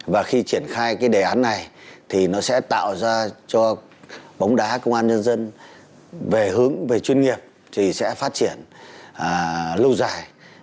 và khi triển khai cái đề án này thì nó sẽ tạo ra cho bóng đá công an nhân dân về hướng về chuyên nghiệp thì sẽ phát triển lâu dài